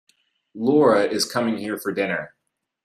Lara is coming here for dinner.